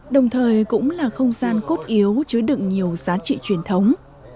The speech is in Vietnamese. đồng thời cũng là không gian cốt yếu chứa đựng nhiều giá trị truyền thống